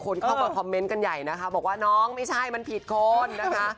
คนเข้ามาคอมเมนต์กันใหญ่นะคะบอกว่าน้องไม่ใช่มันผิดคนนะคะ